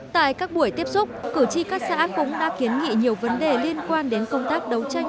tại các buổi tiếp xúc cử tri các xã cũng đã kiến nghị nhiều vấn đề liên quan đến công tác đấu tranh